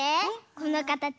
このかたち